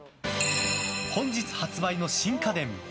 本日発売の新家電。